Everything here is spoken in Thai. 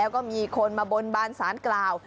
ก็มีคนมาบนบานศาลกราว